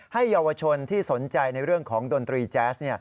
ให้เยาวชนที่สนใจในเรื่องของดนตรีแจ๊ส